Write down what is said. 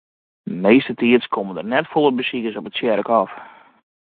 Meastentiids komme der net folle besikers op it tsjerkhôf.